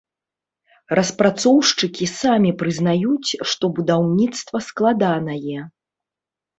Распрацоўшчыкі самі прызнаюць, што будаўніцтва складанае.